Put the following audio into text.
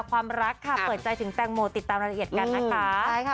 ความรักค่ะเปิดใจถึงแตงโมติดตามรายละเอียดกันนะคะใช่ค่ะ